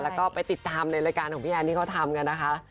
แล้วก็ไปติดตามในรายการของพี่แอนที่เขาทำกันนะคะ